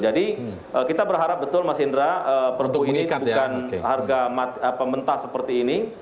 jadi kita berharap betul mas indra perpuni ini bukan harga mentah seperti ini